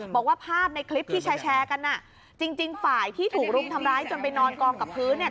บอกว่าภาพในคลิปที่แชร์กันอ่ะจริงจริงฝ่ายที่ถูกรุมทำร้ายจนไปนอนกองกับพื้นเนี่ย